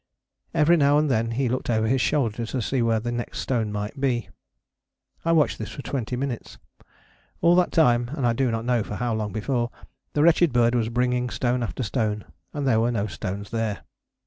Every now and then he looked over his shoulder, to see where the next stone might be. I watched this for twenty minutes. All that time, and I do not know for how long before, that wretched bird was bringing stone after stone. And there were no stones there.